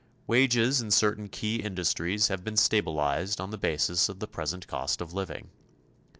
Wages in certain key industries have been stabilized on the basis of the present cost of living.